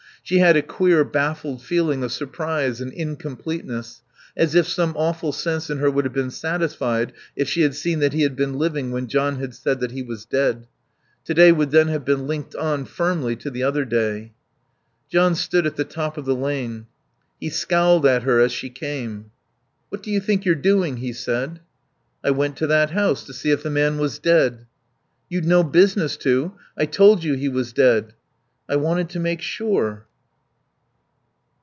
She had a queer baffled feeling of surprise and incompleteness, as if some awful sense in her would have been satisfied if she had seen that he had been living when John had said that he was dead. To day would then have been linked on firmly to the other day. John stood at the top of the lane. He scowled at her as she came. "What do you think you're doing!" he said. "I went to that house to see if the man was dead." "You'd no business to. I told you he was dead." "I wanted to make sure."